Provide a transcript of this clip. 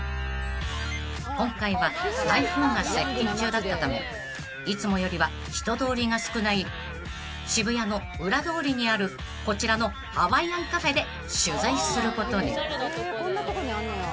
［今回は台風が接近中だったためいつもよりは人通りが少ない渋谷の裏通りにあるこちらのハワイアンカフェで取材することに］